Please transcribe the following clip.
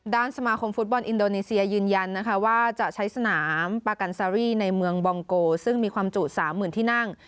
สมาคมฟุตบอลอินโดนีเซียยืนยันนะคะว่าจะใช้สนามปากันซารี่ในเมืองบองโกซึ่งมีความจุ๓๐๐๐ที่นั่ง